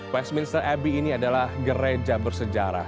westminster abbey ini adalah gereja bersejarah